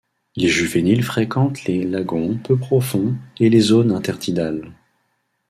Les juvéniles fréquentent les lagons peu profonds et les zones intertidales.